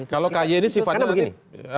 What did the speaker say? kalau ky ini sifatnya begini